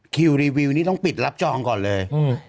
คิวรีวิวนี่ต้องปิดรับจองก่อนเลย